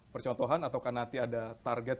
percontohan atau kan nanti ada target